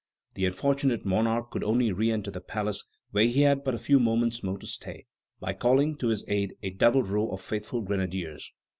The unfortunate monarch could only re enter the palace where he had but a few moments more to stay, by calling to his aid a double row of faithful grenadiers.